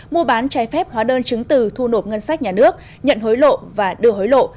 mua bán trái phép hóa đơn chứng từ thu nộp ngân sách nhà nước nhận hối lộ và đưa hối lộ